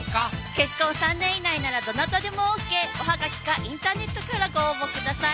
結婚３年以内ならどなたでもＯＫおはがきかインターネットからご応募ください